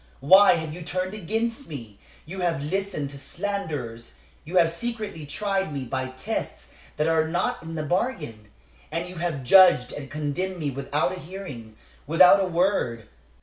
Why have you turned against me? You have listened to slanderers; you have secretly tried me by tests that are not in the bargain, and you have judged and condemned me without a hearing, without a word.